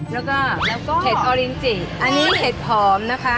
แล้วก็เห็ดออรินจิอันนี้เห็ดหอมนะคะ